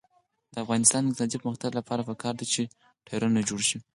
د افغانستان د اقتصادي پرمختګ لپاره پکار ده چې ټایرونه جوړ شي.